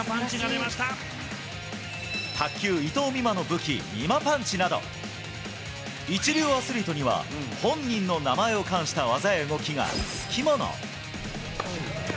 卓球、伊藤美誠の武器、美誠パンチなど、一流アスリートには、本人の名前を冠した技や動きが付き物。